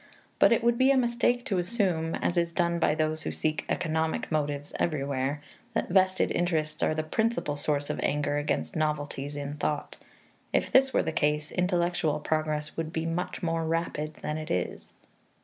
But it would be a mistake to assume, as is done by those who seek economic motives everywhere, that vested interests are the principal source of anger against novelties in thought. If this were the case, intellectual progress would be much more rapid than it is.